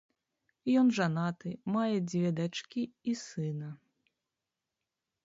Ён жанаты, мае дзве дачкі і сына.